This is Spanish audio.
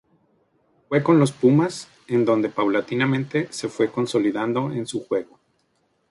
Fue con los Pumas, en donde paulatinamente se fue consolidando en su juego.